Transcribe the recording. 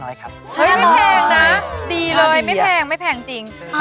เฮ้ยไม่แพงนะดีเลยไม่แพงจริง